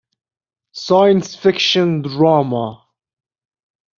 Science fiction drama.